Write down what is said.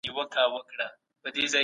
څوک د مظلومانو ږغ اوري؟